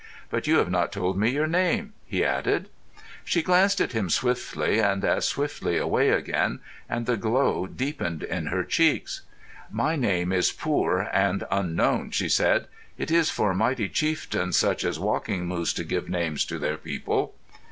"But you have not told me your name," he added. She glanced at him swiftly, and as swiftly away again, and the glow deepened in her cheeks. "My name is poor and unknown," she said. "It is for mighty chieftains such as Walking Moose to give names to their people."